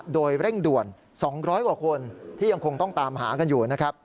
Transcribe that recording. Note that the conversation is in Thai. โดยเร่งด่วน๒๐๐กว่าคนที่ยังคงต้องตามหากันอยู่นะครับ